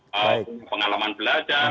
punya pengalaman belajar